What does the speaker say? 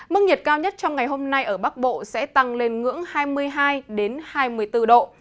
mức nhiệt cao nhất trong ngày hôm nay ở bắc bộ sẽ tăng lên ngưỡng hai mươi hai hai mươi bốn độ